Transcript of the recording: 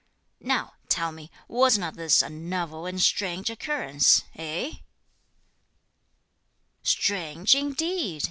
Now, tell me, was not this a novel and strange occurrence? eh?" "Strange indeed!"